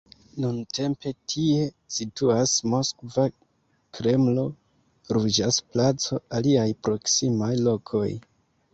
Nuntempe tie situas Moskva Kremlo, Ruĝa placo, aliaj proksimaj lokoj.